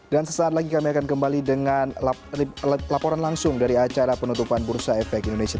dan sesaat lagi kami akan kembali dengan laporan langsung dari acara penutupan bursa efek indonesia